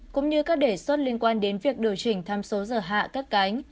cũng như các đề xuất liên quan đến việc điều chỉnh tham số giờ hạ các cánh